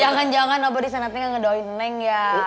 jangan jangan abah di sana ngga ngedoain neng ya